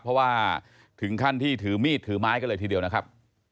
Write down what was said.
เพราะว่าถึงขั้นที่ถือมีดถือไม้กันเลยทีเดียวนะครับ